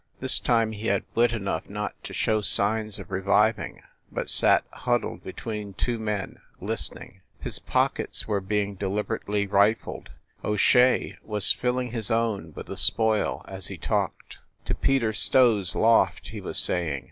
This time he had wit enough not to show signs of reviv ing, but sat, huddled between two men, listening. His pockets were being deliberately rifled; O Shea was filling his own with the spoil as he talked. "To Peter Stow s loft," he was saying.